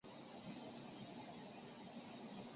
他的叛乱得到西北四十余城的响应。